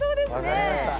分かりました。